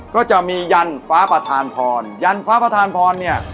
ก็จะมียันฟ้าประธานพรยันฟ้าประธานพรเนี่ย